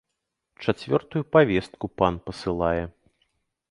Чацвёртую павестку пан пасылае.